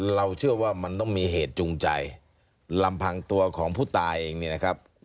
เราเชื่อว่ามันต้องมีเหตุจูงใจลำพังตัวของผู้ตายเองเนี่ยนะครับ